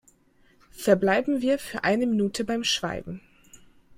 Verbleiben wir für eine Minute beim Schweigen!